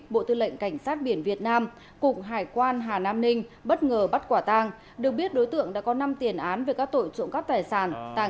bộ tư lệnh cảnh sát biển việt nam cụng hải quan hà nam ninh bất ngờ bắt quả tàng được biết đối tượng đã có năm tiền án về các tội trụng các tài sản